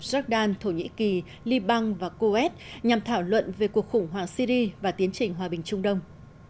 jordan thổ nhĩ kỳ liban và kuwait nhằm thảo luận về cuộc khủng hoảng syri và tiến trình hòa bình trung đông